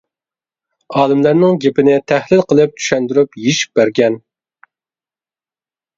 ئالىملارنىڭ گېپىنى تەھلىل قىلىپ چۈشەندۈرۈپ يېشىپ بەرگەن.